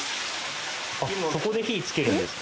ここで火点けるんですか。